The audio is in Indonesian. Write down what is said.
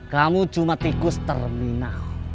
kamu cuma tikus terminal